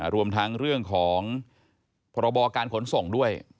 รวมทั้งเรื่องของพรบการขนส่งด้วย